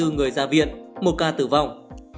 một trăm ba mươi bốn người ra viện một ca tử vong